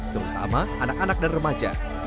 terutama anak anak dan remaja